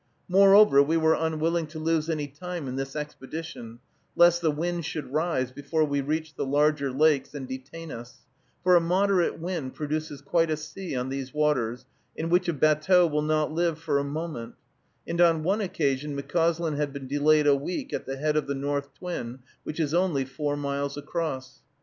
Moreover, we were unwilling to lose any time in this expedition, lest the wind should rise before we reached the larger lakes, and detain us; for a moderate wind produces quite a sea on these waters, in which a batteau will not live for a moment; and on one occasion McCauslin had been delayed a week at the head of the North Twin, which is only four miles across.